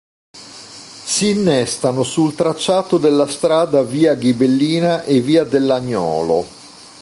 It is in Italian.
Si innestano sul tracciato della strada via Ghibellina e via dell'Agnolo.